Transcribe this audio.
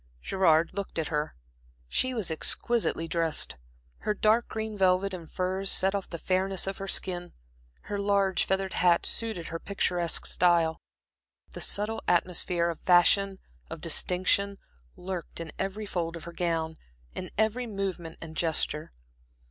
Gerard looked at her. She was exquisitely dressed. Her dark green velvet and furs set off the fairness of her skin, her large feathered hat suited her picturesque style. The subtle atmosphere of fashion, of distinction, lurked in every fold of her gown, in every movement and gesture.